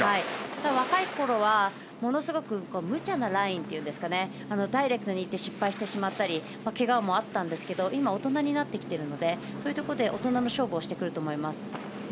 若いころはものすごくむちゃなラインというかダイレクトに行って失敗してしまったりけがもあったんですけど大人になってきているのでそういうところで大人の勝負をしてくると思います。